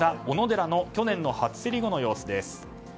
おのでらの去年の初競り後の様子です。